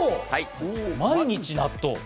毎日納豆？